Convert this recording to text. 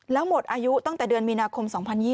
แล้วหมดอายุตั้งแต่เดือนมีนาคม๒๐๒๐